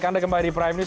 hai kembali ke prime news